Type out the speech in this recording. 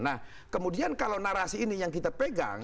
nah kemudian kalau narasi ini yang kita pegang